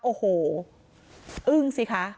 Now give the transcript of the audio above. โอ้โหอึ้งสิคะ